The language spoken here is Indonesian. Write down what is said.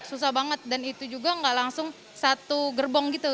susah banget dan itu juga gak langsung satu gerbong gitu